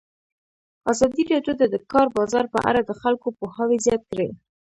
ازادي راډیو د د کار بازار په اړه د خلکو پوهاوی زیات کړی.